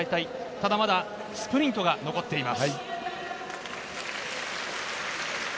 ただ、まだスプリントが残っています。